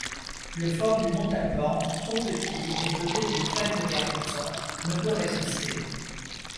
Le fort du Mont-Alban, trop petit et doté d’une faible garnison, ne peut résister.